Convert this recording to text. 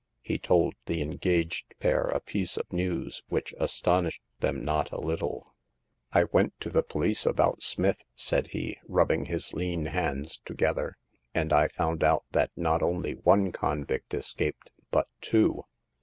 He told the engaged pair a piece of news which astonished them not a little. *' I went to the police about Smith," said he, rubbing his lean hands together, and I found out that not only one convict escaped, but two."